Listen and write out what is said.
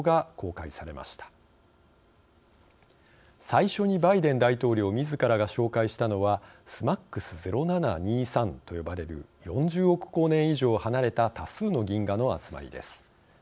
最初にバイデン大統領みずからが紹介したのはＳＭＡＣＳ０７２３と呼ばれる４０億光年以上離れた多数の銀河の集まりです。